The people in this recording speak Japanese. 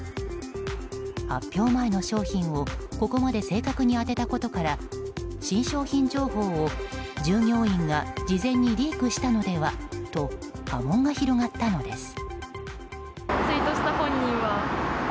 発表前の商品をここまで正確に当てたことから新商品情報を従業員が事前にリークしたのではと波紋が広がったのです。